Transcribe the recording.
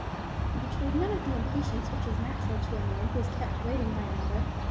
He betrayed none of the impatience which is natural to a man who is kept waiting by another.